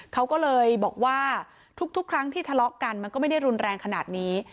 เขาก็เลยบอกว่าทุกครั้งที่ทะเลาะกันมันก็ไม่ได้รุนแรงขนาดนี้